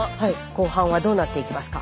後半はどうなっていきますか？